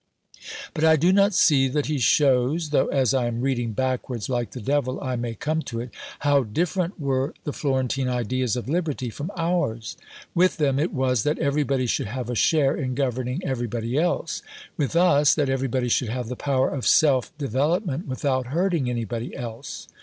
But I do not see that he shows tho' as I am reading backwards, like the Devil, I may come to it how different were the Florentine ideas of Liberty from ours. With them it was that everybody should have a share in governing everybody else; with us, that everybody should have the power of self development without hurting anybody else.